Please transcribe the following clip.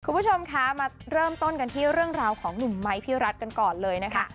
คุณผู้ชมคะมาเริ่มต้นกันที่เรื่องราวของหนุ่มไม้พี่รัฐกันก่อนเลยนะคะ